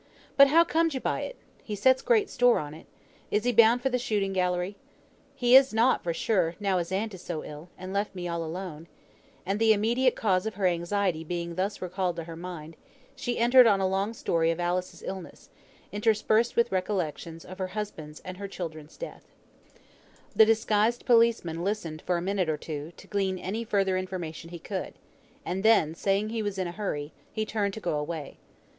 But, how comed you by it? He sets great store on it. Is he bound for th' shooting gallery? He is not, for sure, now his aunt is so ill, and me left all alone;" and the immediate cause for her anxiety being thus recalled to her mind, she entered on a long story of Alice's illness, interspersed with recollections of her husband's and her children's deaths. The disguised policeman listened for a minute or two, to glean any further information he could; and then, saying he was in a hurry, he turned to go away.